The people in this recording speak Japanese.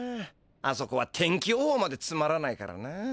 あそこは天気予ほうまでつまらないからな。